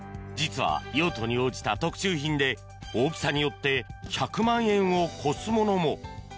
実は、用途に応じた特注品で大きさによって１００万円を超すものも。